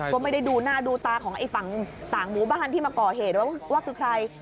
ก็ไม่ได้ดูหน้าดูตาของไอ้ฝั่งต่างหมู่บ้านที่มาก่อเหตุว่าคือใคร